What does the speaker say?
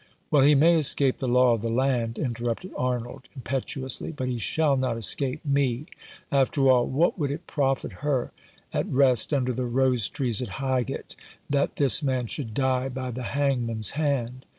"Well, he may escape the law of the land," interrupted Arnold, impetuously, "but he shall not escape me. After all, what would it profit her, at rest under the rose trees at Highgate, that this man should die by the hangman's hand